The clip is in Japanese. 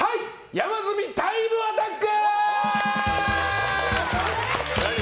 山積みタイムアタック！